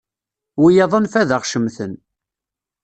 Wiyaḍ anef ad aɣ-cemten.